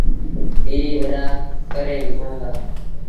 ائيٚݩ وڏآ ڪري وڪڻون دآ۔